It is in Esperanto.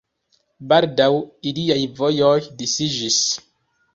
Baldaŭ iliaj vojoj disiĝis.